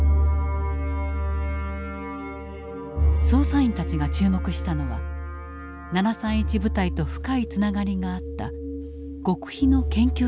捜査員たちが注目したのは７３１部隊と深いつながりがあった極秘の研究機関だった。